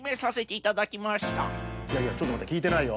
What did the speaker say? いやいやちょっとまってきいてないよ。